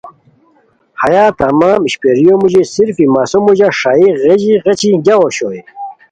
ہیہ تمام اشپیریو موژی صرفی مسو موژہ ݰائی غیژی غیچی گیاؤ اوشوئے